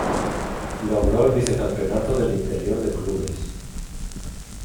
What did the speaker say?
Logró el vice campeonato del Interior de clubes.